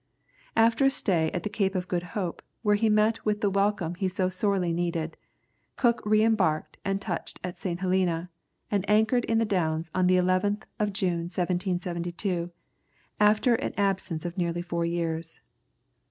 After a stay at the Cape of Good Hope, where he met with the welcome he so sorely needed, Cook re embarked, touched at St. Helena, and anchored in the Downs on the 11th of June, 1772, after an absence of nearly four years.